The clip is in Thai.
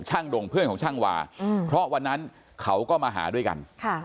ดงเพื่อนของช่างวาเพราะวันนั้นเขาก็มาหาด้วยกัน